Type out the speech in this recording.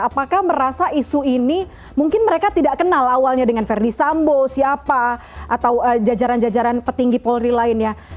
apakah merasa isu ini mungkin mereka tidak kenal awalnya dengan verdi sambo siapa atau jajaran jajaran petinggi polri lainnya